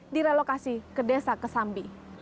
direlokasi ke desa kesambi